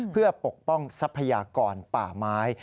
เพื่อปกป้องทรัพยากรป่าไม้